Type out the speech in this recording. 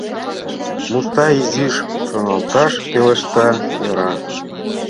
Мустай изиш шоналташ пелешта: «Йӧра!»